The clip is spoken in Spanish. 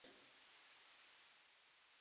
El sonido inicial es un clic.